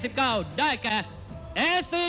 ท่านแรกครับจันทรุ่ม